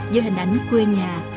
với hình ảnh quê nhà